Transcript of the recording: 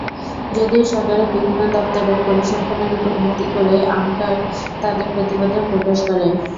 যদিও সরকারের বিভিন্ন দপ্তরের পরিসংখ্যানের ওপর ভিত্তি করেই আঙ্কটাড তাদের প্রতিবেদন প্রকাশ করে।